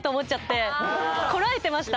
こらえてました。